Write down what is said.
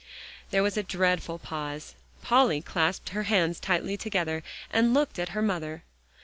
There was a dreadful pause. Polly clasped her hands tightly together, and looked at her mother.